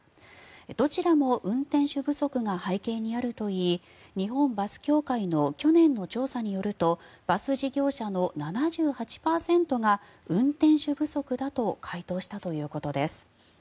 どちらも運転手不足が背景にあるといい日本バス協会の去年の調査によるとバス事業者の７８％が運転手不足だと回答したということです。